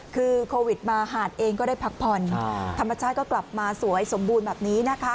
คือโควิดมาหาดเองก็ได้พักผ่อนธรรมชาติก็กลับมาสวยสมบูรณ์แบบนี้นะคะ